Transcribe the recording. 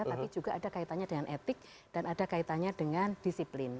tapi juga ada kaitannya dengan etik dan ada kaitannya dengan disiplin